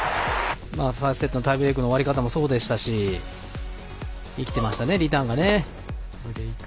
ファーストセットのタイブレークの終わり方もそうでしたし生きてましたね、リターンが。